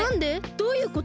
どういうこと？